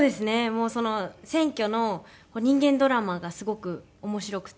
もうその選挙の人間ドラマがすごく面白くて。